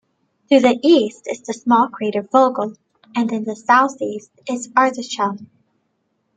To the east is the small crater Vogel, and in the southeast is Arzachel.